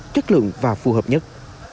chất lượng và phù hợp nhất